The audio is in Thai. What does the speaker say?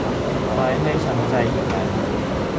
ไว้ให้ช้ำใจอีกหลายวัน